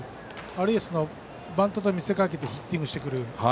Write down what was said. あるいはバントと見せかけてヒッティングしてくる。